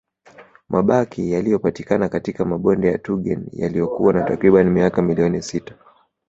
Mabaki yaliyopatikana katika mabonde ya Tugen yaliyokuwa na takriban miaka milioni sita